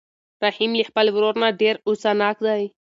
رحیم له خپل ورور نه ډېر غوسه ناک دی.